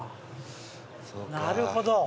なるほど。